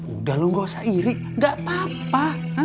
udah lo gak usah iri gak apa apa